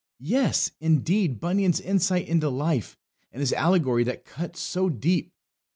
Yes, indeed, Bunyan's insight into life! And his allegory that cuts so deep!